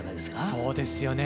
そうですよね